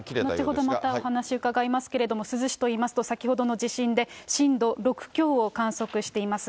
後ほどお話伺いますけれども、珠洲市といいますと、先ほどの地震で震度６強を観測しています。